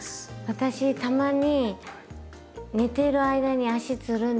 私たまに寝てる間に足つるんですよ。